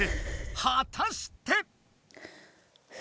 はたして。